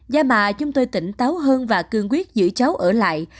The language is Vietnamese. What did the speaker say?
gia mà chúng tôi tỉnh táo hơn và cương quyết giữ cháu ở lại